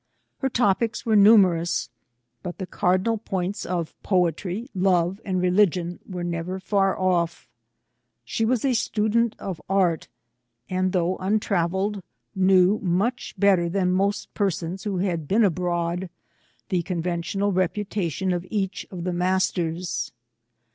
Her topics were numerous, but the cardinal points of poetry, love, and religion, were never far oflP. She was a student of art, and, though untravelled, knew, much better than most persons who had been abroad, the conventional reputation of each of the masters.